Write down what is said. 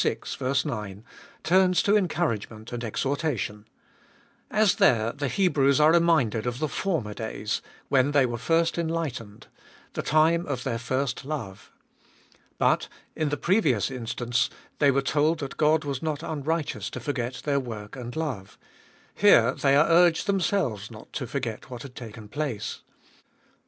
vi. (ver. 9), turns to encouragement and exhortation. As there, the Hebrews are reminded of the former days, when they were first enlightened — the time of their first love. But, in the previous instance, they were told that God was not unrighteous to forget their work and love ; here they are urged themselves not to forget what had taken place.